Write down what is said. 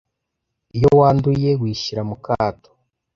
Iyo wanduye wishyira mukato.